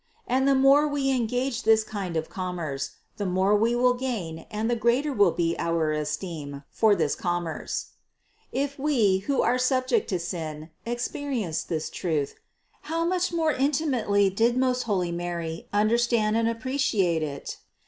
And the more we engage in this kind of com merce, the more we will gain and the greater will be our esteem for this commerce. 788. If we, who are subject to sin, experience this truth, how much more intimately did most holy Mary understand and appreciate it?